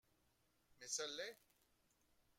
Mais ça l’est